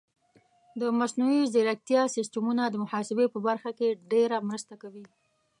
د مصنوعي ځیرکتیا سیستمونه د محاسبې په برخه کې ډېره مرسته کوي.